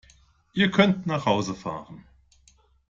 Ihr könnt nach Hause fahren!